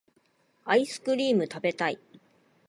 アイスクリームたべたい